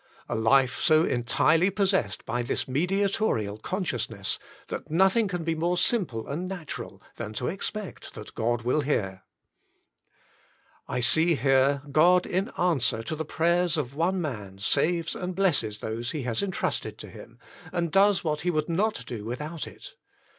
A life so entirely pos sessed by this mediatorial consciousness that nothing can be more simple and natural than to expect that God will hear. I see here God in answer to the prayers of one . man saves and blesses those He has entrusted to ^ him, and does what He would not do without it.